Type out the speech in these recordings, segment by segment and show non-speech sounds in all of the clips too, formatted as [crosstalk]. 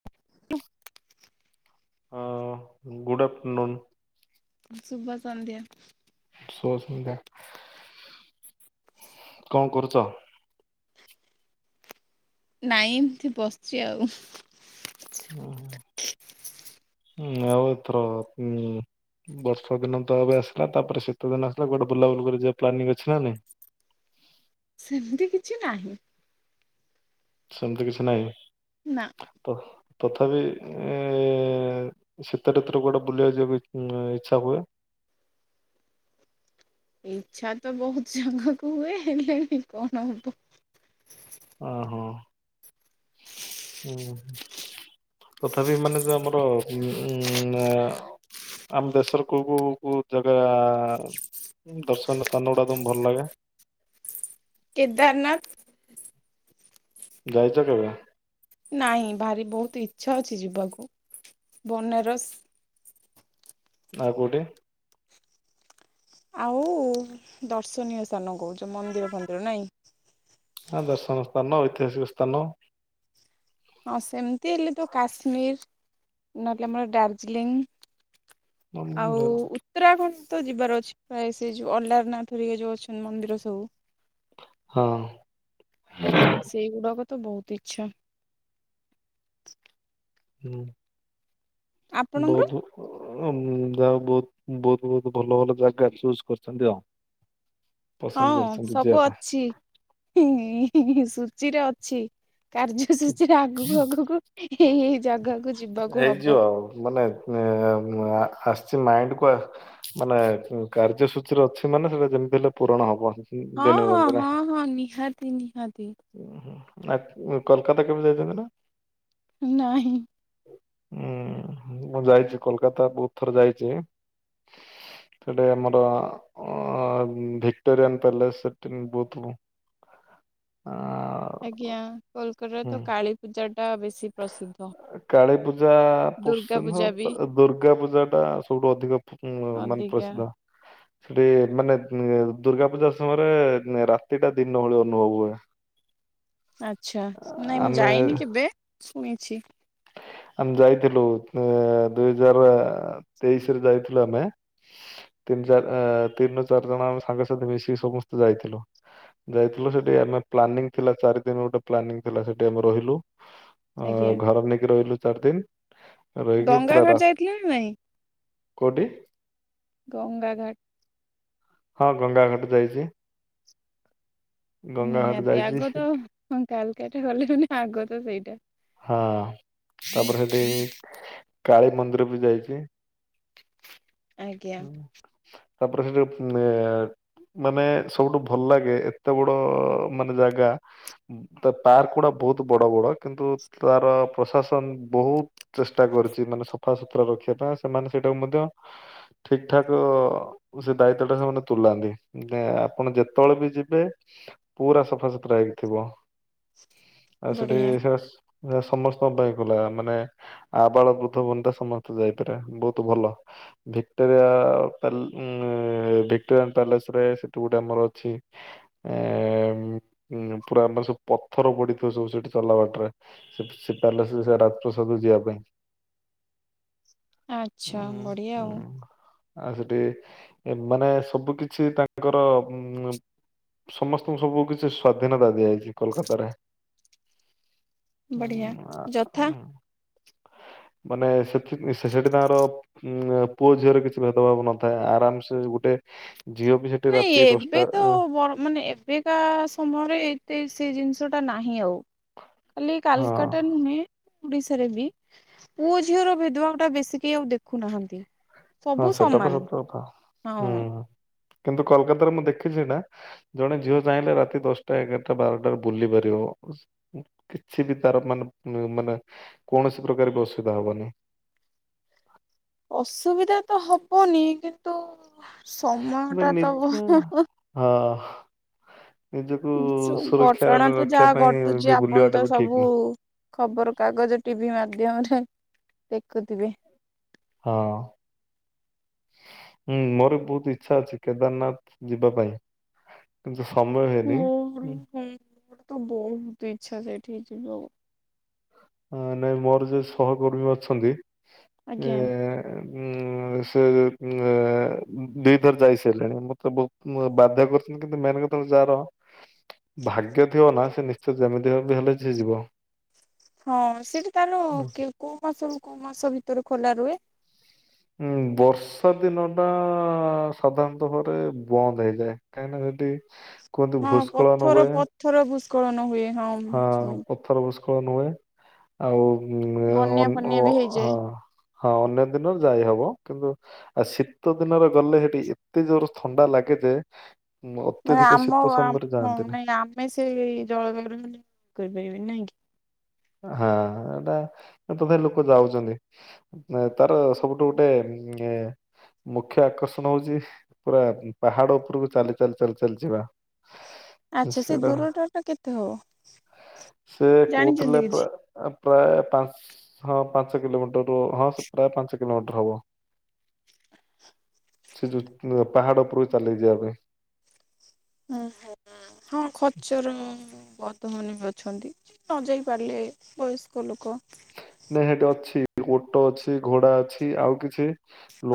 [inaudible] ହଁ good afternoon. ଶୁଭ ସନ୍ଧ୍ୟା। ଶୁଭ ସନ୍ଧ୍ୟା। କଣ କରୁଚ? ନାଇଁ ଏମିତି ବସିଛି ଆଉ। ଉଁ ହୁଁ ଆଉ ଏଥର ବର୍ଷା ଦିନ ତ ଏବେ ଆସିଲା ତାପରେ ଶୀତ ଦିନ ଆସିଲା ଗୋଟେ ବୁଲାବୁଲି କରି ଯିବାକୁ ପ୍ଲାନିଂ ଅଛି ନା ନାଇଁ? [inaudible] ସେମିତି କିଛି ନାହିଁ। ସେମିତି କିଛି ନାହିଁ। ନା। ତ ତଥାପି ଶୀତଋତୁରେ କୁଆଡ଼େ ବୁଲିବାକୁ ଯିବା ଇଚ୍ଛା ହୁଏ? ଇଚ୍ଛା ତ ବହୁତ ଯିବା କୁ ହୁଏ। ହେଲେ କଣ ହବ? ଓହୋ। ହୁଁ। ତଥାପି ମାନେ ଯୋଉ ଆମର ଉ ଆଁ ଆମଦେଶର କଉ କଉ କଉ ଜାଗା ଦର୍ଶନୀୟ ସ୍ଥାନ ଗୁଡ଼ାକ ତମ କୁ ଭଲ ଲାଗେ? କେଦାରନାଥ। ଯାଇଚ କେବେ? ନାଇଁ ଭାରି ବହୁତ ଇଚ୍ଛା ଅଛି ଯିବାକୁ। ବନାରସ ଆଉ କୋଉଠି? ଆଉ ଦର୍ଶନୀୟ ସ୍ଥାନ କହୁଚ ମନ୍ଦିର ଫନ୍ଦିର ନାଇଁ। ଦର୍ଶନ ସ୍ଥାନ ଐତିହାସିକ ସ୍ଥାନ ହଁ ସେମିତି ହେଲେ ତ କାଶ୍ମୀର ନହେଲେ ଆମର ଦାର୍ଜିଲିଂ। ଆଉ ହଁ। ଉତ୍ତରାଖଣ୍ଡ ତ ଯିବାର ଅଛି ପ୍ରାୟ। ସେ ଯୋଉ ଅଲାରନାଥ ହେରିକା ଯୋଉ ଅଛନ୍ତି ମନ୍ଦିର ସବୁ। ହଁ। ସେଇଗୁଡାକ ତ ବହୁତ ଇଚ୍ଛା। ହୁଁ। ଆପଣଙ୍କର ବହୁତ ଯାହା ବହୁତ ବହୁତ ବହୁତ ଭଲ ଭଲ ଜାଗା ଚୁଜ୍ କରିଛନ୍ତି ଆଉ। ହଁ ପସନ୍ଦ କରିଛନ୍ତି ଯିବା ସବୁ ଅଛି ସୂଚିରେ ଅଛି। କାର୍ଯ୍ୟ ପାଇଁ। ସୂଚୀରେ ଆଗକୁ ଆଗକୁ ଏଇ ଏଇ ଜାଗାକୁ ଯିବାକୁ ହେଇଯିବ ହବ। ଆଉ ମାନେ [unintelligible] ଆସିଛି ମାଇଣ୍ଡ କୁ ମାନେ କାର୍ଯ୍ୟସୂଚୀରେ ଅଛି ମାନେ ସେଟା ଯେମିତି ହେଲେ ପୂରଣ ହବ। ଦିନେ ହଁ ନା ହଁ ହଁ ହଁ ନିହାତି ନିହାତି। ଆ କୋଲକାତା କେବେ ଯାଇଛନ୍ତି ନା? ନାହିଁ। ହୁଁ ମୁଁ ଯାଇଛି କୋଲକାତା ବହୁତ ଥର ଯାଇଚି। ସେଠି ଆମର ଆଁ ଭିକ୍ଟୋରିଆନ୍ ପ୍ୟାଲେସ ସେଠି ବହୁତ ଥର। [inaudible] ଆଜ୍ଞା ତ କାଳୀପୂଜା ବେଶୀ ପ୍ରସିଦ୍ଧ। କାଳୀ ପୂଜା ଦୁର୍ଗା [unintelligible] ପୂଜା ବି ଟଦୁର୍ଗା ପୂଜା ଟା ସବୁଠୁ ଅଧିକ ମାନେ ଅଧିକା ପ୍ରସିଦ୍ଧ। ସେଠି ମାନେ ଦୁର୍ଗା ପୂଜା ସମୟରେ ରାତିଟା ଦିନ ଭଳି ଅନୁଭବ ହୁଏ। ଆଚ୍ଛା ନାଇଁ ମୁଁ ଆମେ ଯାଇନି କେବେ ଶୁଣିଚି। ଆମେ ଯାଇଥିଲୁ, ଆଁ ଦୁଇହଜାର ତେଇଶରେ ଯାଇଥିଲୁ ଆମେ ତିନି ଚାରି ଆ ତିନିରୁ ଚାରି ଜଣ ଆମ ସାଙ୍ଗସାଥି ମିଶିକି ସମସ୍ତେ ଯାଇଥିଲୁ। ଯାଇଥିଲୁ ସେଠିକି ଆମେ ପ୍ଲାନିଂ ଥିଲା, ଚାରି ଦିନ ଗୋଟେ ପ୍ଲାନିଂ ଥିଲା ସେଠି ଆମେ ରହିଲୁ ଅ ଆଜ୍ଞା। ଘର ନେଇକି ରହିଲୁ ଗୋଟେ ଦିନ ରହିକି ଗଙ୍ଗା ପୁରା ଘାଟ ରାତି, ଯାଇଥିଲେ ନା ନାଇଁ? କୋଉଠି? ଗଙ୍ଗା ଘାଟ। ହଁ ଗଙ୍ଗା ଘାଟ ଯାଇଛି। ଗଙ୍ଗା ଘାଟ ନିହାତି ଯାଇଛି ଆଗ ତ ସେଠି କାଲକାଟା ଗଲେ ମାନେ, ଆଗ ତ ସେଇଟା। ହଁ ତାପରେ ହେଠି କାଳୀ ମନ୍ଦିର ବି ଯାଇଛି। ଆଜ୍ଞା ତାପରେ ସେ ଯୋଉ ଏ ମାନେ ସବୁଠୁ ଭଲ ଲାଗେ, ଏତେ ବଡ ମାନେ ଜାଗା, ତା ପାର୍କ ଗୁଡା ବହୁତ ବଡ଼ ବଡ଼ କିନ୍ତୁ ତାର ପ୍ରଶାସନ ବହୁତ ଚେଷ୍ଟା କରିଛି, ମାନେ ସଫା ସୁୁତୁରା ରଖିବା ପାଇଁ ଆଉ ସେମାନେ ସେଇଟାକୁ ମଧ୍ୟ ଠିକ ଠାକ ସେ ଦାୟିତ୍ଵଟା ସେମାନେ ତୁଲାନ୍ତି। ମାନେ ଆପଣ ଯେତେବେଳେ ବି ଯିବେ, ପୁରା ସଫାସୁତୁରା ହେଇକି ଥିବ। ଆଉ ସେଠି ବଢିଆ ସେରା ଆ ସମସ୍ତଙ୍କ ପାଇଁ ଗଲା, ମାନେ ଆବାଳ ବୃଦ୍ଧ ବନିତା ସମସ୍ତେ ଯାଇପାରିବେ, ବହୁତ ଭଲ। ଭିକ୍ଟୋରିଆ ପ୍ୟାଲେ ଉଁ ଭିକ୍ଟୋରିଆଙ୍କ ପ୍ୟାଲେସରେ ସେଠୁ ଗୋଟେ ଆମର ଅଛି ଏ ଉମ୍ ପୁରା ଆମର ସବୁ ପଥର ପଡିଥିବ ସବୁ ସେଠି ଚଲାବାଟରେ। ସେପ୍ ସେ ପ-ପ୍ୟାଲେସକୁ ସେ ରାଜପ୍ରସାଦକୁ ଯିବା ପାଇଁ। ଉଁ ଆଚ୍ଛା ବଢିଆ ଉଁ, ଆଉ। ଆଉ ସେଠି ମାନେ ସବୁ କିଛି ତାଙ୍କର ଉମ୍ ସମସ୍ତଙ୍କୁ ସବୁ କିଛି ସ୍ଵାଧୀନତା ଦିଆଯାଇଛି କୋଲକାତାରେ। ବଢିଆ ଯଥା ହୁଁ ମାନେ ସେଥି ଶେଷ ଦିନର ଉଁ ପୁଅ ଝିଅରେ କିଛି ଭେଦଭାବ ନଥାଏ, ଆରାମସେ ଗୋଟେ ଝିଅ ବି ସେଠି ନାଇଁ ରାତି ଦଶଟା ଏବେ ତ ଏ ବ ମାନେ ଏବେକା ସମୟରେ ଏତେ ସ ସେ ଜିନିଷଟା ନାହିଁ ଆଉ। ଖାଲି ହଁ କାଲକାଟା ନୁହେଁ ଓଡିଶାରେ ବି ପୁଅ ଝିଅର ଭେଦଭାବଟା ବେଶୀ କେହି ଆଉ ଦେଖୁନାହାଁନ୍ତି। ହଁ ସେଟା ତ ସତ କଥା ଆଉ। ହଁ ହୁଁ। କିନ୍ତୁ କୋଲକାତାରେ ମୁଁ ଦେଖିଛି ନା, ଜଣେ ଝିଅ ଚାହିଁଲେ ରାତି ଦଶଟା, ଏଗାରଟା, ବାରଟାରେ ବୁଲି ପାରିବ। ଉଁ ଉଁ କିଛି ବି ତାର ମାନେ ମାନେ କୌଣସି ପ୍ରକାର ବି ଅସୁବିଧା ହବନି। ହ ଅସୁବିଧା ତ ହବନି କିନ୍ତୁ ମ ସମୟଟା ନିଜ ତ ଭ ହ ହ ହଁ ନିଜକୁ ଉଁ ଚ ସୁରକ୍ଷାରେ ଘଟଣା ତ ରଖିବା ଯାହା ପାଇଁ ଘଟୁଚି, ବି ଆପଣ ବୁଲିବାଟା ତ ବି ଠିକ ସବୁ ନୁହଁ। ଖବର କାଗଜ, ଟିଭି ମାଧ୍ୟମରେ ଦେଖୁଥିବେ। ହଁ। ହୁଁ, ମୋର ବହୁତ ଇଚ୍ଛା ଅଛି କେଦାରନାଥ ଯିବା ପାଇଁ। ସମୟ ହୁଏନି। ମୋର ମୋର ତ ବହୁତ ଇଚ୍ଛା ସେଇଠିକି ଯିବ। ନାଇଁ ମୋର ଯୋଉ ସହକର୍ମୀ ଅଛନ୍ତି, ଏ ଆଜ୍ଞା। ଉମ୍ ସେ ଉଁ ଆ ଦିଥର ଯାଇ ସାରିଲେଣି। ମତେ ବହୁତ ବାଧ୍ୟ କରୁଛନ୍ତି କିନ୍ତୁ ମେନ୍ କଥା କିନ୍ତୁ ଯାହାର ଭାଗ୍ୟ ଥିବ ନା, ସେ ନିଶ୍ଚୟ ଯେମିତି ହେବେ ବି ହେଲେ ସିଏ ଯିବ। ହଁ। ସେଠି ତାହାନୁ ହୁଁ। କେ କୋଉ ମାସରୁ କୋଉ ମାସ ଭିତରେ ଖୋଲା ରୁହେ? ହୁଁ। ବର୍ଷା ଦିନଟା ସାଧାରଣତଃ ଭାବରେ ବନ୍ଦ ହେଇଯାଏ। କାହିଁକିନା ସେଠି ସେଠି ହଁ ପଥର ପଥର ଭୂସ୍ଖଳନ ହୁଏ। ହଁ ପଥର ଭୂସ୍ଖଳନ ହୁଏ, ଆଉ ବନ୍ୟା ଉଁ ଫନ୍ୟା ହଁ ବି ଅନ ହଁ। ହେଇଯାଏ ଅନ୍ୟ ଦିନ ଯାଇ ହବ, କିନ୍ତୁ ଆ ଶୀତଦିନରେ ଗଲେ ସେଠି, ଏତେ ଜୋର ଥଣ୍ଡା ଲାଗେ ଯେ ଉଁ, ମାନେ ଅତ୍ୟଧିକ ଆମ ଶୀତ ସମୟରେ ହଁ ଯାଆନ୍ତିନି ନାଇଁ ଆମେ ସେ ଜଳ କରୁନ। କରିପାରିବ ନାଇଁ କି। ହଁ ଏଟା ତଥାପି ଲୋକ ଯାଉଛନ୍ତି ତାର ସବୁଠୁ ଗୋଟେ ହୁଁ। ମୁଖ୍ୟ ଆକର୍ଷଣ ହଉଛି ପୁରା ପାହାଡ ଉପରକୁ ଚାଲି ଚାଲି ଚାଲି ଚାଲି ଯିବା। ଆଚ୍ଛା ସେ ସେଟା ଦୂରଟା ଟା କେତେ ହବ ସେ କୁ ଜାଣିଛନ୍ତି ଥିଲେ କିଛି ପ୍ରାୟ ପାଞ୍ଚ ହଁ ପାଞ୍ଚ କିଲୋମିଟରରୁୁ ହଁ ପ୍ରାୟ ପାଞ୍ଚ କିଲୋମିଟର ହବ। ସେ ଯୋଉ ପାହାଡ ଉପରକୁ ଚାଲି ଯିବା ପାଇଁ। ଓ ହୋ। ହଁ ଖର୍ଚ୍ଚର ବଧ ମାନେ ବି ଅଛନ୍ତି ନ ଯାଇ ପାରିଲେ ବୟସ୍କ ଲୋକ ନାଇଁ ସେଠି ଅଛି ଓଟ ଅଛି, ଘୋଡା ଅଛି ଆଉ କିଛି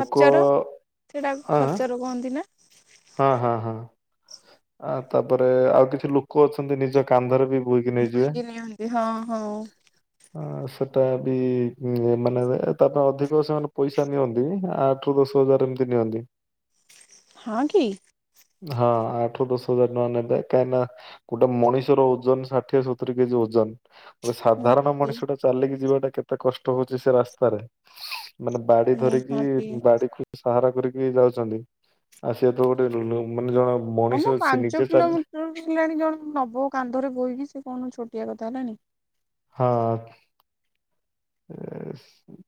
ଲୋକ ସେଇଟା ଆଁ? ଖଚର କହନ୍ତି ନା ହଁ ହଁ ହଁ ଆ ତାପରେ ଆଉ କିଛି ଲୋକ ଅଛନ୍ତି ନିଜ କାନ୍ଧରେ ବି ବୋହିକି ନିଅନ୍ତି ହଁ ହଁ। ସେଟା ବି ମାନେ ତା ପାଇଁ ଅଧିକ ସେମାନେ ପଇସା ନିଅନ୍ତି ଆ ଠୁ ସାତ ହଜାର ଏମିତି ନିଅନ୍ତି। ହଁ କି। ହଁ ଆଠରୁ ଦଶ ହଜାର ଟଙ୍କା ନେବେ କାହିଁକି ନା ଗୋଟେ ମଣିଷର ଓଜନ ଷାଠିଏ ସତୁରି କେଜି ଓଜନ। ଗୋଟେ ସାଧାରଣ ମଣିଷ ଟା ଚାଲିକି ଯିବାଟା କେତେ କଷ୍ଟ ହଉଛି ସେ ରାସ୍ତାରେ। ମାନେ ବାଡି ଧରିକି ନିହାତି ବାଡିକୁ ସାହାରା କରିକି ଯାଉଚନ୍ତି। ଆସିବା ତ ଗୋଟେ ମାନେ ଜଣେ ହଁ ମୁଁ ସେ ପାଞ୍ଚ ନିଜେ ତା କିଲୋମିଟର ହେଲାଣି ଜଣ ନବ କାନ୍ଧରେ ବୋହିକି ସେ କଣ ଛୋଟିଆ କଥା। ତ କଲାଣିି ହଁ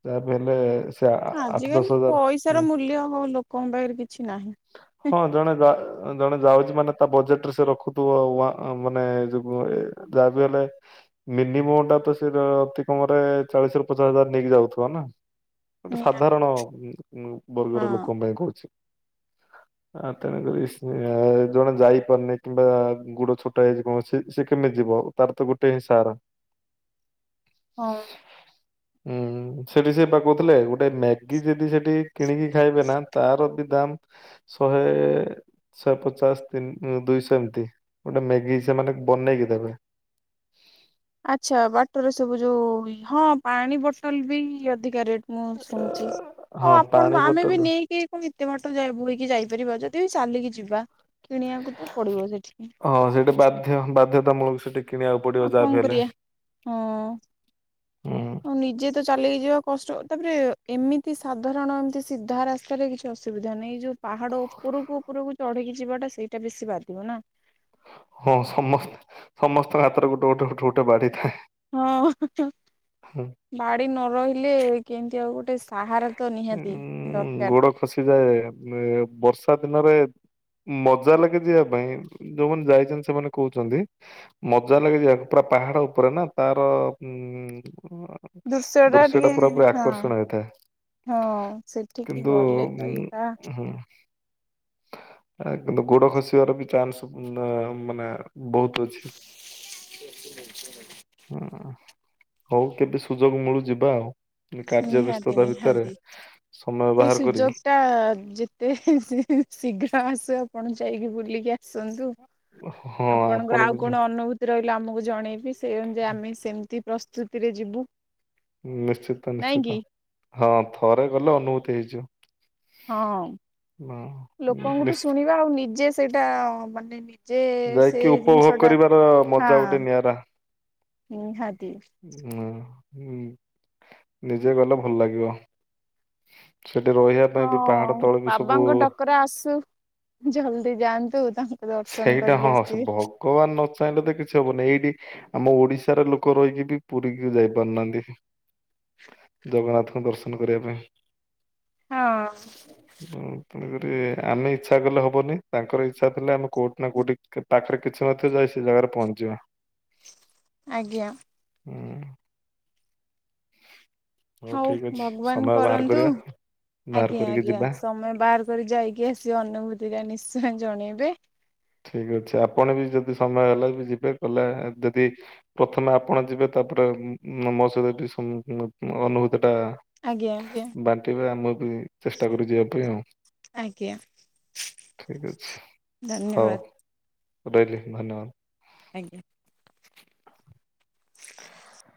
ତା ହେଲେ ସେ ଆ- ଆଠ ଦଶ ଆଜିକାଲି ହଜାର ପଇସା ହୁଁ। ର ମୂଲ୍ୟ ହଉ ଲୋକଙ୍କ ପାଖରେ କିଛି ନାହିଁ। ହଁ ଜଣେ ଜଣେ ଯାଉଛି ମାନେ ତା ବଜେଟ ରେ ସେ ରଖୁଥିବ ମାନେ ଯାହା ବିି ହେଲେ ମିନିମମ୍ ଟା ତ ସେ ଅତି କମରେ ଚାଳିଶ ର ପଚାଶ ହଜାର ନେଇକି ଯାଉଥିବ ନା? ଗୋଟେ ହଁ ସାଧାରଣ ଉ ବର୍ଗର ଲୋକଙ୍କ ପାଇଁ କହୁଛି। [inaudible] ଆ ତେଣୁକରି ଜଣେ ଯାଇପାରୁନି କିମ୍ବା ଗୋଡ ଛୋଟ ହେଇଛି କଣ ସେ ସେ କେମିତି ଯିବ? ତାର ତ ଗୋଟେ ହିଁ ସାହାରା। ହଁ। ହୁଁ ସେଠି ସେ ବା କହୁଥିଲେ ଗୋଟେ ମ୍ୟାଗି ଯଦି ସେଠି। କିଣିକି ଖାଇବେ ନା ତାର ବି ଦାମ ଶହେ ଶହେ ପଚାଶ ତିନ ଦୁଇଶହ ଏମିତି। ଗୋଟେ ମେଗି ସେମାନେ ବନେଇକି ଦେବେ। ଆଚ୍ଛା ବାଟରେ ସବୁ ଯୋଉ ହଁ ପାଣି ବୋଟଲ ବି ଅଧିକା ରେଟ୍। ମୁଁ ଶୁଣିୁଛି ଆଉ ହଁ ପାଣି ଆପଣ ଆମେ ବି ବୋଟଲ ନେଇକି ଏତେ ବାଟ ବୋହିକି ଯାଇପାରିବ ଯଦି ଚାଲିକି ଯିବା। କିଣିବାକୁ ତ ପଡିବ ସେଠିକି ହଁ ସେଇଟା ବାଧ୍ୟ ବାଧ୍ୟତାମୂଳକ ସେଠି। କିଣିବାକୁ ପଡିବ ଆଉ ଯାହା ବି କଣ ହେଲେ କରିବା ହୁଁ ହଁ ନିଜେ ତ ଚାଲିିକି ଯିବା। କଷ୍ଟ ତାପରେ ଏମିତି ସାଧାରଣ ଏମିତି ସିଧା ରାସ୍ତାରେ କିଛି ଅସୁବିଧା ନାହିଁ ଯୋଉ ପାହାଡ ଉପ ଉପରକୁ ଉପରକୁ ଚଢିକି ଯିବାଟା ସେଇଟା ବେଶୀ ବାଧିବ ନା? ହଁ ସମସ୍ତେ ସମସ୍ତଙ୍କ ହାତରେ ଗୋଟେ ଗୋଟେ ଗୋଟେ ଗୋଟେ ବାଢିଥାଏ। ହଁ ବାଡି ନ ରହିଲେ କେମିତି ଆଉ ଗୋଟ ଉଁ ଗୋଡ ଖସିଯାଏ ବର୍ଷା ଦିନରେ ମଜା ଲାଗେ ଯିବା ପାଇଁ ଯୋଉମାନେ ଯାଇଛନ୍ତି ସେମାନେ କହୁଛନ୍ତି ମଜା ଲାଗେ ଯିବାପାଇଁ ପୁରା ପାହାଡ ଉପରେ ନା ତାର ଉଁ ହଁ ଦୃଶ୍ୟ ଟା ପୁରା ପୁରା ଆକର୍ଷଣ ହେଇଥାଏ। ହଁ ସେଠିକି କିନ୍ତୁ ଗଲେ ତ ଏଇଟା ଉଁ ହୁଁ। କିନ୍ତୁ ଗୋଡ ଖସିବାର ବି ଚାନ୍ସ ନେ ମାନେ। ବହୁତ ଅଛି ହୁଁ। ହଉ କେବେ ସୁଯୋଗ ମିଳୁ ଯିବା ଆଉ ଏବେ କାର୍ଯ୍ୟ ବ୍ୟସ୍ତ। ନିହାତି ନିହାତି ସେ କରି ସୁଯୋଗଟା ଯେତେ ଶୀଘ୍ର। ଆଶୁ ଆପଣ ଯାଇକି ବୁଲିକି ଆସନ୍ତୁ। ହଁ ଆପଣ ଆପଣଙ୍କର ଆଉ ବି ଯ କଣ ଅନୁଭୂତି ରହିଲା ଆମକୁ ଜଣେଇବି ସେଇ ଅନୁଯାୟୀ ଆମେ ସେମତି। ପ୍ରସ୍ତୁତିରେ ଯିବୁ। ନିଶ୍ଚିତ ନାଇଁ କି ନିଶ୍ଚିତ ହଁ ଥରେ ଗଲେ ଅନୁଭୂତି ହେଇଯିବ। ହଁ ହଁ ଲୋକଙ୍କଠୁ ନିଶ୍ଚ ଶୁଣିବା ଆଉ ନିଜେ ସେଇଟା ମାନେ ନି ଯେ ସେ ଯାଇକି ଉପଭୋଗ ଜିନିଷ ଟା କରିବାର ମଜା ଗୋଟେ ହାଁ। ନିଆରା। ନିହାତି। ହୁଁ ନିଜେ ଗଲେ ଭଲ ଲାଗିବ। ସେଠି ରହିବା ହଁ ପାଇଁ ବି ପାହାଡ ତଳେ ବି ସବୁ। ବାବାଙ୍କ ଡକରା ଆସୁ ଜଲଦି ଯାଆନ୍ତୁ ତାଙ୍କୁ ଦର୍ଶନ ସେଇଟା କରିକି ହଁ ସେ ଆସିବେ। ଭଗବାନ ନ ଚାହିଁଲେ ତ କିଛି ହବନି ଏଇଠି। ଆମ ଓଡିଶା‌ ରେ ଲୋକ ରହିକି ବି ପୁରୀକୁ ଯାଇ ପାରୁନାହାନ୍ତି। ଜଗନ୍ନାଥଙ୍କୁ ଦର୍ଶନ କରିବା ପାଇଁ। ହଁ କି ଆମେ ଇଚ୍ଛା କଲେ ହବନି ତାଙ୍କର ଇଚ୍ଛା ଥିଲେ ଆମେ କୋଉଠି ନା କୋଉଠି କ ପାଖରେ କିଛି ନ ଥିବ ଯାଇ ସେ ଜାଗାରେ ପହଞ୍ଚିଯିବା। ଆଜ୍ଞା। ହୁଁ। ହଉ ଠିକ ଅଛି ଭଗବାନ ସମୟ ବାହାର କରନ୍ତୁ। କରିବା ବାହାର ଆଜ୍ଞା କରିକି ଆଜ୍ଞା ଯିବା। ସମୟ ବାହାର କରି ଯାଇକି ଆସି ଅନୁଭୂତି ଟା ନିଶ୍ଚୟ ଜଣେଇବେ। ଠିକ ଅଛି ଆପଣ ବି ଯଦି ସମୟ ହେଲା ବି ଯିବେ ଗଲେ ଯଦି ପ୍ରଥମେ ଆପଣ ଯିବେ ତାପରେ। ତ ମ ମ ମୋ ସହିତ ଟି କେ ସ ଅନ ଅ ଅନୁଭୂ ଏଟା ଆଜ୍ଞା ଆଜ୍ଞା ବାଣ୍ଟିବେ ଆମେ ବି ଚେଷ୍ଟା କରୁ ଯିବା ପାଇଁ ଆଉ। ଆଜ୍ଞା ଠିକ ଅଛି ହଉ ଧନ୍ୟବାଦ ରହିଲିି ଧନ୍ୟବାଦ। ଆଜ୍ଞା।